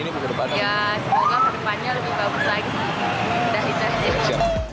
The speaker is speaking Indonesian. ya semoga berdepannya lebih bagus lagi